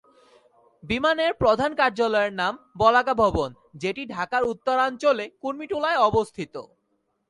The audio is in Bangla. বিমানের প্রধান কার্যালয়ের নাম "বলাকা ভবন", যেটি ঢাকার উত্তরাঞ্চলে কুর্মিটোলায় অবস্থিত।